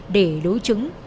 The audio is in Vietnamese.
để đối chứng